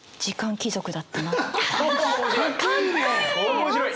面白い。